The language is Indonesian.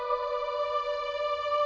lo sudah nunggu